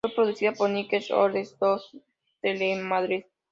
Fue producida por Nickel Odeón Dos y Telemadrid.